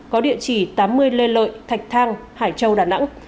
có địa chỉ tám mươi lê lợi thạch thang hải châu đà nẵng